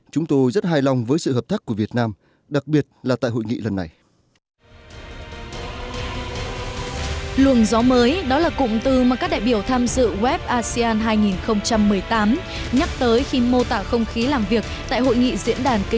chúng tôi rất hài lòng với sự hợp tác của việt nam đặc biệt là tại hội nghị lần này